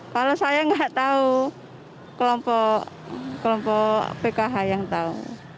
kalau saya nggak tahu kelompok pkh yang tahu